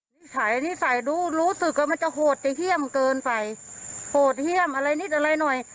นิสัยนิสัยดูรู้สึกว่ามันจะโหดจะเยี่ยมเกินไปโหดเยี่ยมอะไรนิดอะไรหน่อย